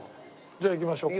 じゃあ行きましょうか。